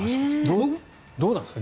どうなんですか？